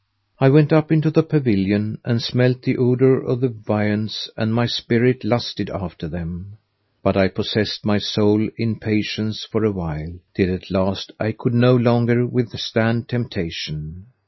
I went up into the pavilion and smelt the odour of the viands and my spirit lusted after them; but I possessed my soul in patience for a while, till at last I could no longer withstand temptation.